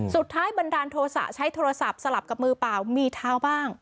บันดาลโทษะใช้โทรศัพท์สลับกับมือเปล่ามีเท้าบ้าง